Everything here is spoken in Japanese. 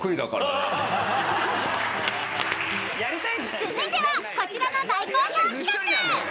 ［続いてはこちらの大好評企画］